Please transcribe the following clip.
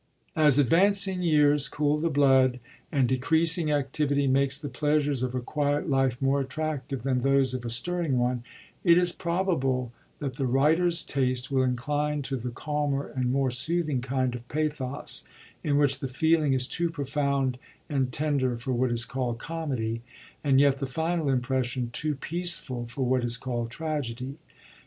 As advancing years cool the blood, and decreasing activity makes the pleasures of a quiet life more attractive than those of a stirring one, it is probable that the writer's taste will incline to the calmer and more soothing kind of pathos, in which the feeling is too profound and tender for what is called comedy, and yet the final impression too peaceful for what is called tragedy.